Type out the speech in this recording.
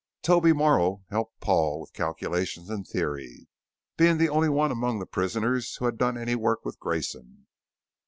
Toby Morrow helped Paul with calculations and theory, being the only one among the prisoners who had done any work with Grayson.